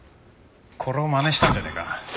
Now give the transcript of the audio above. これをまねしたんじゃねえか？